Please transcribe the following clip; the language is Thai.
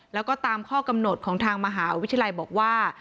แล้วก็ตามข้อกำหนดของทางมหาวิทยาลัยบอกว่า